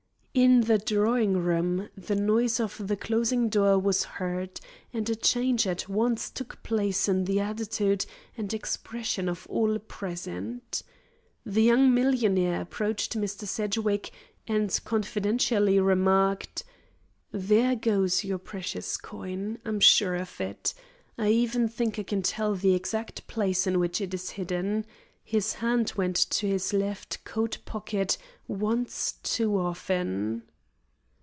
In the drawing room the noise of the closing door was heard, and a change at once took place in the attitude and expression of all present. The young millionaire approached Mr. Sedgwick and confidentially remarked: "There goes your precious coin. I'm sure of it. I even think I can tell the exact place in which it is hidden. His hand went to his left coat pocket once too often."